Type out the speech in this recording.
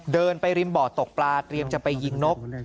เดินไปริมบ่อตกปลาเตรียมจะไปยิงนก